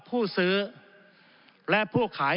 ผู้ซื้อและผู้ขาย